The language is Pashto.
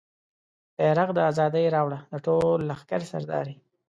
بیرغ د ازادۍ راوړه د ټول لښکر سردارې